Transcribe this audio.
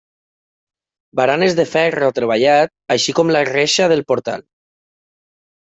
Baranes de ferro treballat així com la reixa del portal.